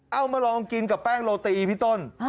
เอามาลองกินกับแป้งโรตีพี่ต้น